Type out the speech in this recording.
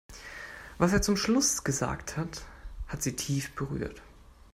Was er zum Schluss gesagt hat, hat sie tief berührt.